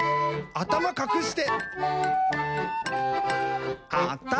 「あたまかくして！」